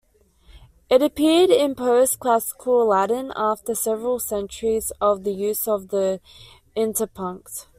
It appeared in Post-classical Latin after several centuries of the use of the interpunct.